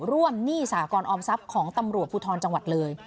หนี้สากรออมทรัพย์ของตำรวจภูทรจังหวัดเลย